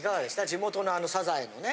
地元のあのサザエのね。